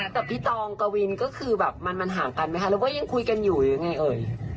ก็คือแบบมันห่างกันไหมคะแล้วก็ยังคุยกันอยู่หรือยังไงเอ๋ย